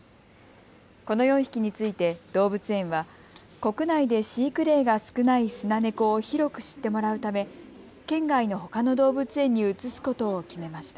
この４匹について動物園は国内で飼育例が少ないスナネコを広く知ってもらうため県外のほかの動物園に移すことを決めました。